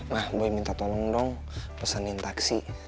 mah gue minta tolong dong pesenin taksi